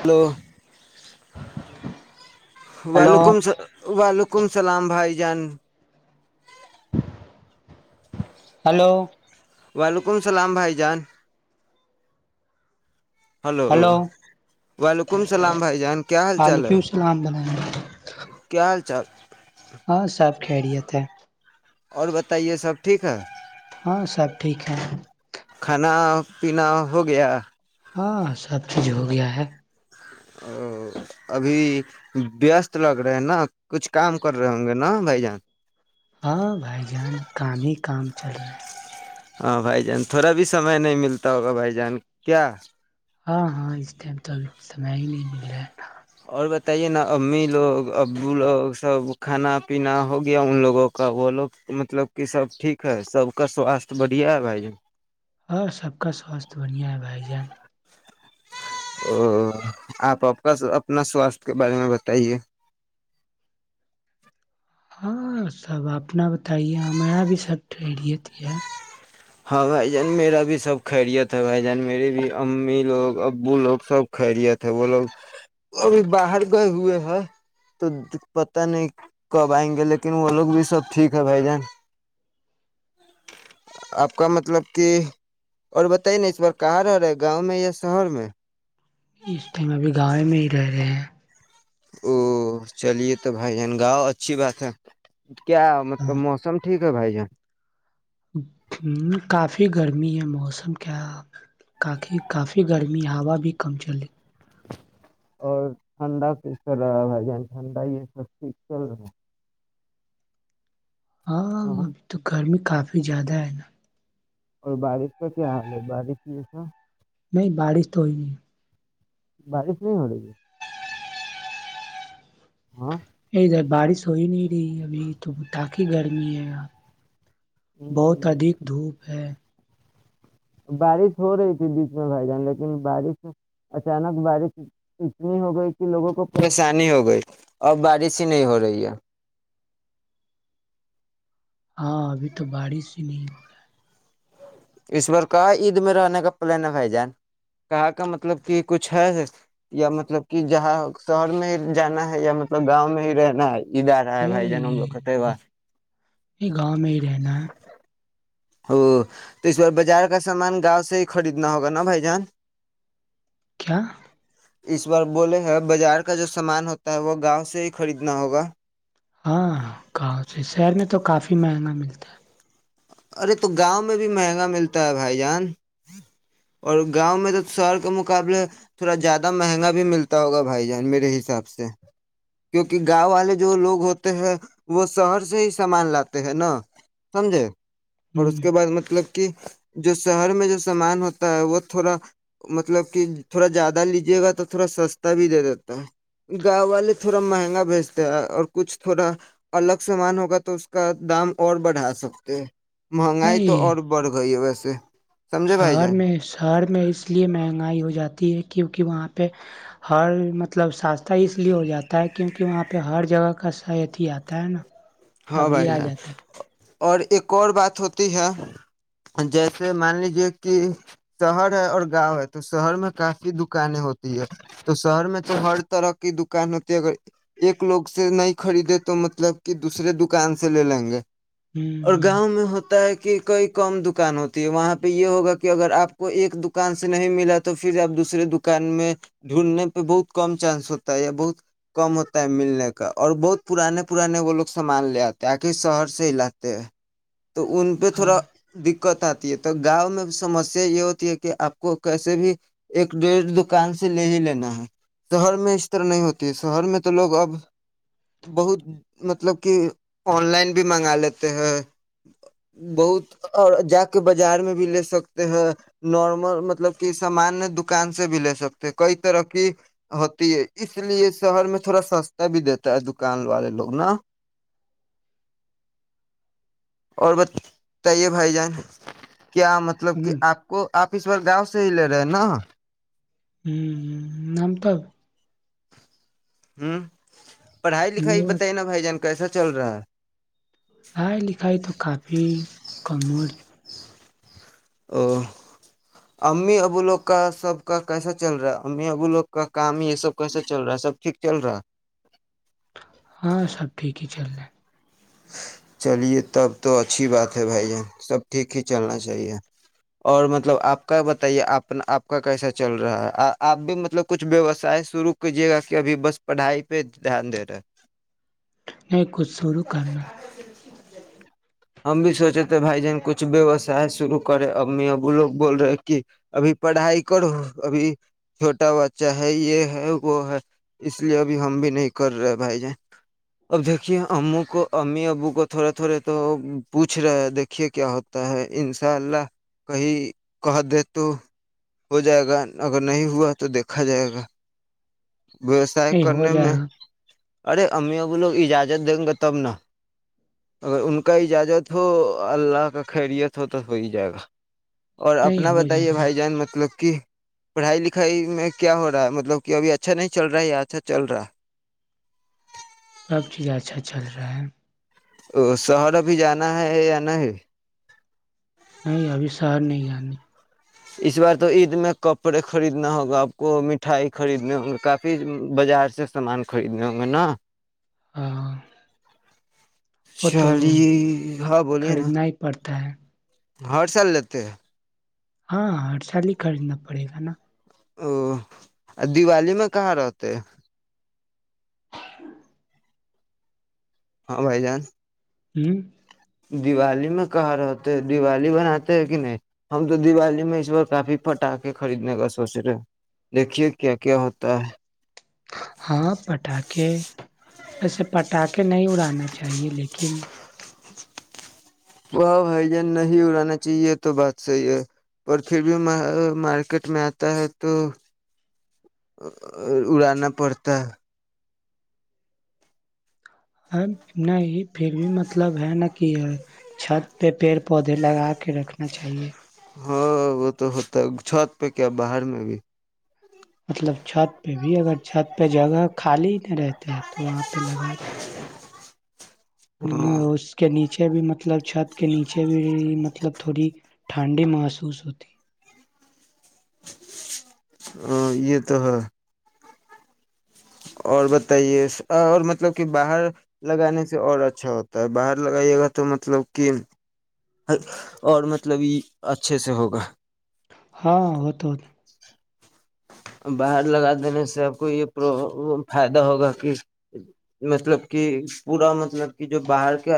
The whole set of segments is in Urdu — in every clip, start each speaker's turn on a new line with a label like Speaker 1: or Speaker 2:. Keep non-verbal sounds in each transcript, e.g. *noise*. Speaker 1: ہلو
Speaker 2: ہلو
Speaker 1: وعلیکم س وعلیکم حلکم السلام بھائی جان
Speaker 2: ہلو
Speaker 1: وعلیکم السلام بھائی جان ہلو وعلیکم السلام بھائی جان کیا حال چال
Speaker 2: وعلیکم
Speaker 1: ہے
Speaker 2: السلام بلائیں
Speaker 1: کیا حال چار
Speaker 2: ہاں سب خیریت ہے
Speaker 1: اور بتائیے سب ٹھیک ہے
Speaker 2: ہاں سب ٹھیک ہے
Speaker 1: کھانا پینا ہو گیا
Speaker 2: ہاں سب کھ ہو گیا ہے
Speaker 1: او ابھی وستست لگ رہے ہیں نا کچھ کام کر رہے ہوں گے نا بھائی جان
Speaker 2: ہاں بھائی جان کام ہی کام چلا
Speaker 1: ہاں بھائی جان تھوڑا بھی سمے نہیں ملتا ہوگا بھائی جان کیا
Speaker 2: ہاں ہاں اس ٹائم تو ابھی سمیں ہی نہیں مل رہ ہے
Speaker 1: بتائی ہے نا امی لوگ ابو لوگ سب کھانا پینا ہو گیا ان لوگوں کا وہ لوگ مطلب کہ سب ٹھیک ہے سب کا سواستھ بڑھیا ہے بھائی ج
Speaker 2: ہاں سب کا سواستھ بڑھیا ہے بھائی جان
Speaker 1: ا آپ آپ کا اپنا سواستھ کے بارے میں بتائیے
Speaker 2: ہاں سب اپنا بتائیے ہمارا بھی سب ٹریریت ہے *unintelligible*
Speaker 1: ہاں بھائی جان میرا بھی سب خیریت ہے بھائی جان میرے بھی امی لوگ ابو لوگ سب خیریت ہے وہ لوگ ابھی باہر گئے ہوئے ہیں تو پت نہیں کب آئیں گے لیکن وہ لوگ بھی سب ٹھیک ہے بھائی جان آ *unintelligible* آپ کا مطلب کہ اور بتائی نہیں اس بار کہاں رہ رہا ہے گاؤں میں یا شہر میں *inaudible*
Speaker 2: اس ٹائم ابھی گاؤیں میں ہی رہ رہے ہیں *unintelligible*
Speaker 1: او چلیے تو بھائین گاؤ اچھی بات ہے *unintelligible* کیا مطلب موسم ٹھیک *unintelligible* بھائی جان *inaudible*
Speaker 2: ہ کافی گرمی ہے موسم کیا کافی کافی گرمی ہوا بھی کم چل رہی *unintelligible*
Speaker 1: اور ٹھنڈا کس چ رہا بھائی جان ٹھنڈا یہ سب چیز چل رہا ہے *unintelligible*
Speaker 2: ہاں ابھی تو گرمی کافی *unintelligible* ا زیاد ہے نا *inaudible*
Speaker 1: اور بارش کا کیا حال ہے بارش جیسا *unintelligible*
Speaker 2: نہیں بارش تو ہو ہی نہیں *unintelligible*
Speaker 1: بارش نہیں ہو رہیی *unintelligible* ہاں *inaudible*
Speaker 2: ادھر بارش ہو ہی نہیں رہی ابھی تو تقی گرمی ہے *unintelligible* بہت ادھک دھوپ ہے *unintelligible*
Speaker 1: بارش ہو رہی تھی بیچ میں بھائی جان لیکن بارش اچانک بارش اتنی ہو گئی کہ لوگوں کو پریشانی ہو گئی اب بارش ہی نہیں ہو رہی ہے
Speaker 2: ہاں ابھی تو بارش ہی نہیں ہو رہا ہے *unintelligible*
Speaker 1: اس بار کہا عید میں رہنے کا پلان ہے بھائی جان کہاں کا مطلب کہ کچھ ہے یا مطلب کہ جہاں شہر میں ہی جانا ہے یا مطلب گاؤں میں ہی رہنا ہے *unintelligible* ادار رہا ہے بھائی جنم لو خت بار *unintelligible*
Speaker 2: یہ گ میر ن *unintelligible*
Speaker 1: ا تو اس بار بازار کا سامان گاؤں سے ہی خریدنا ہوگا نا بھائی جان *unintelligible*
Speaker 2: کیا *inaudible*
Speaker 1: اس بار بولے ہیں بازار کا جو سامان ہوتا ہے وہ گاؤں سے ہی خریدنا ہوگا *unintelligible*
Speaker 2: ہاں کہ سے شہر میں تو کافی مہنگا ملتا ہے
Speaker 1: ارے تو گاؤں میں بھی مہنگا ملتا ہے بھائی جان اور گاؤں میں تو شہر کے مقابلے تھوڑا زیادہ مہنگا بھی ملتا ہوگا بھائی جان میرے حساب سے کیونکہ گاؤں والے جو لوگ ہوتے ہیں وہ شہر سے ہی سامان لاتے ہیں نا سمجے اور
Speaker 2: ہے
Speaker 1: اس
Speaker 2: ہ
Speaker 1: کے بعد مطلب کہ جو شہر میں جو سامان ہوتا وہ تھوڑا مطلب کہ تھوڑا زیادہ لیجے گا تو تھوڑا سستا بھی دے دیتا ہے گاؤں والے تھوڑا مہنگا بھیجتے ہیں اور کچھ تھوڑا الگ سامان ہوگا تو اس کا دام اور بڑھا سکتے ہیں مہنگائی تو
Speaker 2: نہیں
Speaker 1: اور بڑھ گئی ہے ویسے چھ *inaudible* سمھجے بھای
Speaker 2: شہر
Speaker 1: جان
Speaker 2: میں شہر میں اس لیے مہنگائی ہو جاتی ہے کیونکہ وہاں پہ ہر مطلب سسہ اس لیے ہو جاتا ہے کیونکہ وہاں پہ ہر جگہ کا صحت ہی آتا ہے نا
Speaker 1: ہاں
Speaker 2: سبزی
Speaker 1: بھائی
Speaker 2: آ
Speaker 1: جن
Speaker 2: جاتا ہے
Speaker 1: اور ایک اور بات ہوتی ہے جیسے مان لیجے کہ شہر ہے اور گاؤں ہے تو شہر میں کافی دکانیں ہوتی ہے تو شہر میں تو ہر طرح کی دکان ہوتی ہے اگر ایک لوگ سے نہیں خریدے تو مطلب کہ دوسرے دکان سے لے لیں گے اور
Speaker 2: ہوں
Speaker 1: گاؤں میں ہوتا ہے کہ کئی کم دکان ہوتی ہے وہاں پہ یہ ہوگا کہ اگر آپ کو ایک دکان سے نہیں ملا تو پھر آپ دوسرے دکان میں ڈھونڈنے پہ بہت کم چانس ہوتا ہے یا بہت کم ہوتا ہے ملنے کا اور بہت پرانے پرانے وہ لوگ سامان لے آتے آخ شہر سے ہلااتے ہیں تو ان پہ
Speaker 2: ہاں
Speaker 1: تھوڑا د دقت آتی ہے تو گاؤں میں سمسیا یہ ہوتی ہے کہ آپ کو کیسے بھی ایک ڈیھ دکان سے لے ہی لینا ہے شہر میں اس طرح نہیں ہوتی ہے شہر میں تو لوگ اب بہت مطلب کہ آن لائن بھی منگا لیتے ہیں بہت اور جا کے بازار میں بھی لے سکتے ہیں نارمل مطلب کہ سامان دکان سے بھی لے سکتے ہیں کئی طرح کی ہوتی ہے اس لیے شہر میں تھوڑا سستا بھی دیتا ہے دکان والے لوگ نا اور بتائیے بھائی جان کیا مطلب کہ
Speaker 2: ہوں
Speaker 1: آپ کو آپ اس گاؤں سے ہی لے رہے ہیں نا
Speaker 2: ہوں ہ نام تھا
Speaker 1: ہوں پڑھائی لکھائی
Speaker 2: میرا
Speaker 1: بتینا بائی جان کیسا چل رہا ہے
Speaker 2: پڑھائی لکھائی تو کافی *inaudible*
Speaker 1: او امی ابو لوگ کا سب کا کیسا چل رہا ہے امی ابو لوگ کا کام یہ سب کیسا چل رہا ہے سب ٹھیک چل رہا ہے
Speaker 2: ہاں سب ٹھیک ہی چل رہے ہیں
Speaker 1: چلیے تب تو اچھی بات ہے بھائی سب ٹھیک ہی چلنا چاہیے اور مطلب آپ کا بتائیے آ آپ کا کیسا چل رہا ہے آپ بھی مطلب کچھ ویوسائے شروع کیجیے گا کہ ابھی بس پڑھائی پہ دھیان دے رہے ہے
Speaker 2: میں کھ سورخ *unintelligible* کرنا
Speaker 1: ہم بھی سوچے تھے بھائی جن کچھ ووسا شرو کرے امی ابو لوگ بول رہے کہ ابھی پڑھائی کرو ابھی چھوٹا بچہ ہے یہ ہے وہ ہے اس لیے ابھی ہم بھی نہیں کر رہے بھائی جن اب دیکھیے ہم ا کو امی ابو کو تھوڑے تھوڑے تو پوچھ رہے دیکھیے کیا ہوتا ہے ان شاء اللہ کہیں کہ دے تو ہو جائے گا اگر نہیں ہوا تو دیکھا جائے گا ویوسائے
Speaker 2: نہیں ہو
Speaker 1: کرنے
Speaker 2: جائے
Speaker 1: میں
Speaker 2: گا
Speaker 1: ارے ا ہمیں ا وہ لوگ اجازت دیں گے تب ن اگر ان کا اجازت ہو اللہ کا خیریت ہو تو ہو ہی جائے گا اور
Speaker 2: نہیں
Speaker 1: اپنا
Speaker 2: ہو جائے
Speaker 1: بتائیے
Speaker 2: گا
Speaker 1: بھائی جان مطلب کہ پڑھائی لکھائی میں کیا ہو رہا ہے مطلب کہ ابھی اچھا نہیں چل رہا ہے یا اچھا چل رہا
Speaker 2: سب چیزیں اچھا چل رہا ہے
Speaker 1: ا شہر ابھی جانا ہے یا نہیں ہے
Speaker 2: نہیں ابھی سر نہیں آنی
Speaker 1: اس بار تو عید میں کپڑے خریدنا ہوگا آپ کو مٹھائی خریدنے ہوں گے کافی بازار سے سامان خریدنے ہوں گے نا
Speaker 2: ہاں وہ تو
Speaker 1: شال جی ہاں بوولے نا
Speaker 2: تا ہے
Speaker 1: ہر سال لیتے ہیں
Speaker 2: ہاں ہر سال ہی خریدنا پڑے گا نا
Speaker 1: او دیوالی میں کہاں رہتے
Speaker 2: ہ
Speaker 1: ہاں بھائی جان
Speaker 2: ہوں
Speaker 1: دیوالی میں کہاں رہتے ہیں دیوالی بناتے ہیں کہ نہیں ہم تو دیوالی میں اس بار کافی پٹا کے خریدنے کا سوچ رہے ہیں دیکھیے کیا کیا ہوتا ہے
Speaker 2: ہاں پٹاخے ویسے پٹ اٹا کے نہیں اڑانا چاہیے لیکن
Speaker 1: وہاہ بھائی جان نہیں اڑانا چاہیے تو بات صحیح ہے پر پھر بھی مارکیٹ میں آتا ہے تو اڑانا پڑتا ہے
Speaker 2: نہیں پھر بھی مطلب ہے نا کہ چھت پہ پیڑ پودے لگا کے رکھنا چاہیے
Speaker 1: ہاں وہ تو ہوتا ہے چھت پہ کیا باہر میں بھی
Speaker 2: مطلب چھت پہ بھی اگر چھت پہ جگہ خالی رہتا ہے تو وہاں پہ لگا
Speaker 1: ہاں
Speaker 2: اس کے نیچے نیچے بھی مطلب چھت کے نیچے بھی مطلب تھوڑی ٹھنڈی محسوس ہوتی
Speaker 1: ا یہ تو ہے اور بتائیے اور مطلب کہ باہر لگانے سے اور اچھا ہوتا ہے باہر لگائیے گا تو مطلب کہ اور مطلب یہ اچھے سے ہوگا
Speaker 2: ہاں ہو تو
Speaker 1: باہر لگا دینے سے آپ کو یہ پر فائدہ ہوگا کہ مطلب کہ پورا مطلب کہ جو باہر کا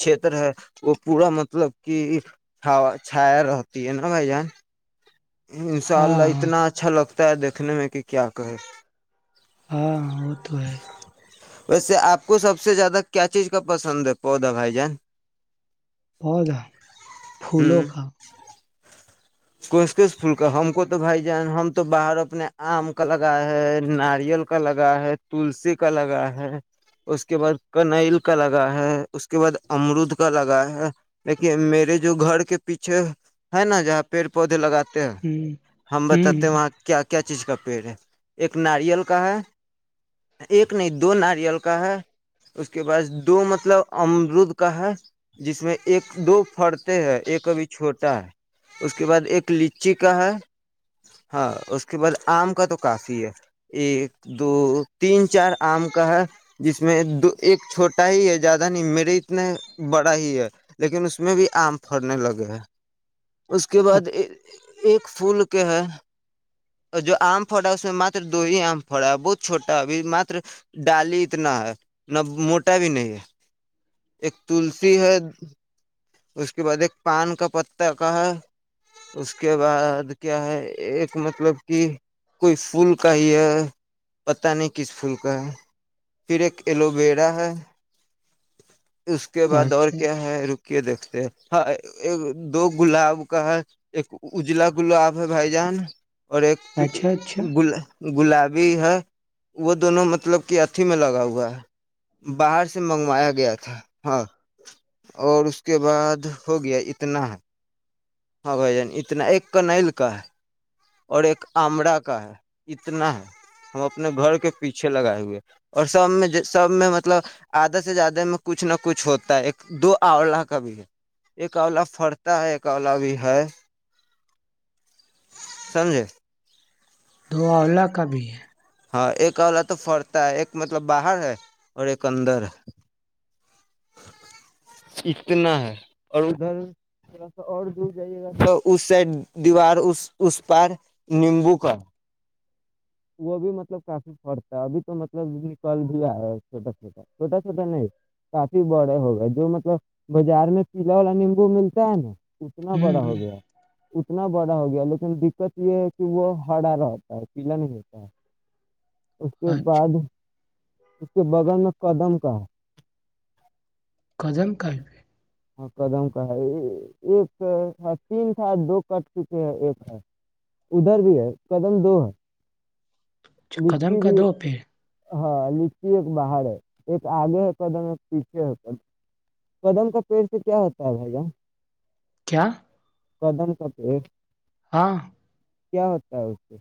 Speaker 1: چھیتر ہے وہ پورا مطلب کہ چھایا رہتی ہے نا بھائی جان انشاء
Speaker 2: ہاں
Speaker 1: اللہ
Speaker 2: ہاں
Speaker 1: اتنا ا لگتا ہے دیکھنے میں کہ کیا کہے
Speaker 2: ہاں وہ تو ہے
Speaker 1: ویسے آپ کو سب سے زیادہ کیا چیز کا پسند ہے پودا بھائی جان
Speaker 2: پودا فولوں کا
Speaker 1: ک کس پھول کا ہم کو تو بھائی جان ہم تو باہر اپنے آم کا لگا ہے ناریل کا لگا ہے تلسی کا لگا ہے اس کے بعد کنل کا لگا ہے اس کے بعد امرود کا لگا ہے لیکن میرے جو گھر کے پیچھے ہے نا جہاں پیڑ پودے لگاتے ہیں
Speaker 2: ہ
Speaker 1: ہم بتاتے ہیں
Speaker 2: ہ
Speaker 1: وہاں کیا کیا چیز کا پیڑ ہے ایک ناریل کا ہے ایک نہیں دو ناریل کا ہے اس کے بعد دو مطلب امرود کا ہے جس میں ایک دو فرد ایک کبھی چھوٹا ہے اس کے بعد ایک لچی کا ہے ہاں اس کے بعد آم کا تو کافی ہے ایک دو تین چار آم کا ہے جس میں دو ایک چھوٹا ہی ہے زیادہ نہیں میرے اتنے بڑا ہی ہے لیکن اس میں بھی آم پڑنے لگے ہیں اس کے بعد ایک پھول کے ہے اور جو آم پڑا ہے اس میں مات دو ہی آم پڑا ہے بہت چھوٹا ابھی ماتر ڈالی اتنا ہے نہ موٹا بھی نہیں ہے ایک تلسی ہے اس کے بعد ایک پان کا پتا کا ہے اس کے بعد کیا ہے ایک مطلب کہ کوئی فول کا ہی ہے پتہ نہیں کس پھول کا ہے پھر ایک ایلو ویرا ہے اس کے بعد اور
Speaker 2: اچھا
Speaker 1: کیا ہے
Speaker 2: اچھا
Speaker 1: رکے دیکھتے ہاں ایک دو گلاب کا ہے ایک اجلا گلاب ہے بھائی جان اور ایک
Speaker 2: اچھا اچھا
Speaker 1: گل گلابی ہے وہ دونوں مطلب کہ اھی میں لگا ہوا ہے باہر سے منگ ایا گیا تھا ہاں اور اس کے بعد ہو گیا اتنا ہے ہاں بھ جن اتنا ایک کرنلکا اور ایک آمڑا کا ہے اتنا ہے ہم اپنے گھر کے پیچھے لگائے ہوئے اور سب میں سب میں مطلب آدھا سے زیادہ میں کچھ نہ کچھ ہوتا ہے ایک دو آولہ کا بھی ہے ایک آولہ فرتا ہے ایک آولا بھی ہے سمھے *unintelligible*
Speaker 2: دو اولہ کا بھی ہے
Speaker 1: ہاں ایک والا تو فرتا ہے ایک مطلب باہر ہے اور ایک اندر ہے اتنا ہے اور ادھر تھوڑا سا اور دور جائیے گا تو اس سائڈ دیوار اس اس پار نیمبو کا وہ بھی مطلب کافی فرتا ہے ابھی تو مطلب نکل بھی آا ہے چھوٹا چھوٹا چھوٹا سوٹا نہیں کافی بڑے ہو گئے جو مطلب بازار میں پیلا والا نیمبو ملتا ہے نا اتنا
Speaker 2: ہ
Speaker 1: بڑا ہو
Speaker 2: ہ
Speaker 1: گیا اتنا بڑا ہو گیا لیکن دقت یہ ہے کہ وہ ہرا رہتا ہے پیلا نہیں ہوتا ہے اس کے
Speaker 2: اچھا
Speaker 1: بعد اس کے بغل میں قدم کا ہے
Speaker 2: قزم قفے *unintelligible*
Speaker 1: ہاں قدم کا ہے ایک تین تھا دو کٹ چک ہے ایک ہے ادھر بھی ہے قدم دو ہے
Speaker 2: قدم
Speaker 1: لچی
Speaker 2: کر
Speaker 1: بھی
Speaker 2: دو پھر
Speaker 1: ہاں لی ایک باہر ہے ایک آگے ہے قدم ایک پیچھے ہے قدم کا پیڑ سے کیا ہوتا ہے بھیا
Speaker 2: کیا؟
Speaker 1: قدم کتے
Speaker 2: ہاں
Speaker 1: کیا ہوتا ہے اس سے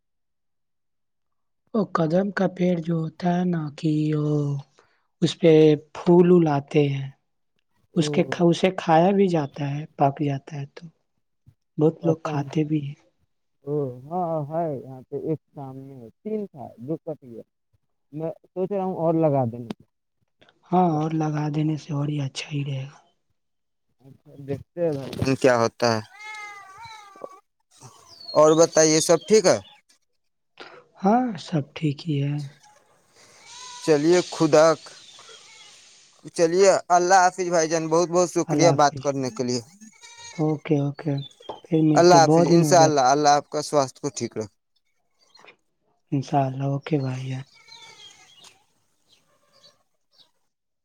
Speaker 2: وہ قدم کا پیڑ جو ہوتا ہے نا کہ وہ اس پہ پھول لاتے ہیں اس کے
Speaker 1: او
Speaker 2: اسے کھایا بھی جاتا ہے پاک جاتا ہے تو *unintelligible* بہت لوگ کھاتے بھی ہیں
Speaker 1: ا ہاں ہے یہاں پہ ایک سامنے ہے تین تھا دقت یہ ہے میں سوچ رہا ہوں اور لگا دنے کا
Speaker 2: ہاں اور لگا دینے سے بڑیا اچھا ہی رہے گا
Speaker 1: اچھا دیکھتے ہیں بھائین کیا ہوتا ہے اور بتائیے سب ٹھیک ہے
Speaker 2: ہاں سب ٹھیک ہی ہے
Speaker 1: چلیے خدا چلیے اللہ حافظ بھائی جان بہت بہت شکریہ
Speaker 2: اللہ
Speaker 1: بات
Speaker 2: حافظ
Speaker 1: کرنے کے لیے
Speaker 2: اوکے اوکے پھر
Speaker 1: اللہ
Speaker 2: ملتے
Speaker 1: حافظ
Speaker 2: بہت
Speaker 1: ان
Speaker 2: دن ہو
Speaker 1: شاء
Speaker 2: گیا
Speaker 1: اللہ
Speaker 2: تھا
Speaker 1: اللہ حافظ کا ساستھ کو ٹھیک رکھ
Speaker 2: انشاء اللہ اوکے بھائی یار